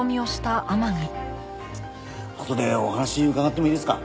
あとでお話伺ってもいいですか？